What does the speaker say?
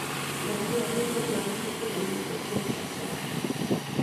Durante años reclaman que se realice el traslado.